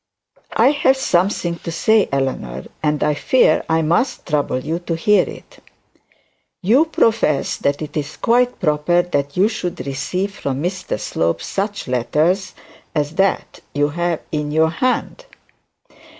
'I have something to say, Eleanor; and I fear I must trouble you to hear it. You profess that it is quite proper that you should receive from Mr Slope such letters as that you have in your hand.